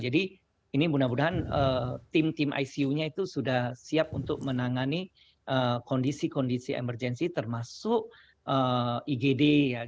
ini mudah mudahan tim tim icu nya itu sudah siap untuk menangani kondisi kondisi emergensi termasuk igd